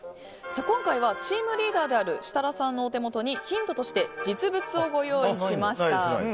今回はチームリーダーである設楽さんのお手元にヒントとして実物をご用意しました。